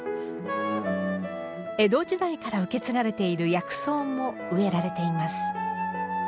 江戸時代から受け継がれている薬草も植えられています。